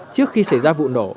trước khi xảy ra vụ nổ